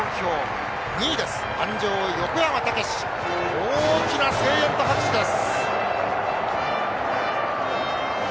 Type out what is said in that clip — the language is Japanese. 大きな声援と拍手です。